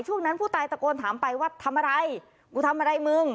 นั้นผู้ตายตะโกนถามไปว่าทำอะไรกูทำอะไรมึง